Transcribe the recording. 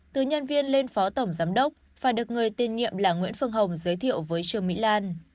từ nhân viên lên phó tổng giám đốc phải được người tiên nhiệm là nguyễn phương hồng giới thiệu với trương mỹ lan